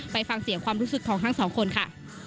ไปฟังเสียงความรู้สึกของทั้งสองคนค่ะ